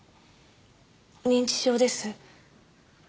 認知症です。